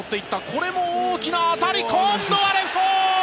これも大きな当たり今度はレフト！